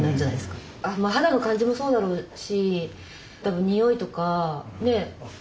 肌の感じもそうだろうし多分においとかねぇ。